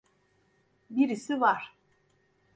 Birisi var.